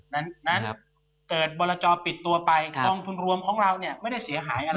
นั้นเกิดบรจอปิดตัวไปกองทุนรวมของเราเนี่ยไม่ได้เสียหายอะไร